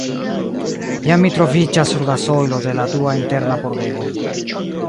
Jam mi troviĝas sur la sojlo de la dua interna pordego.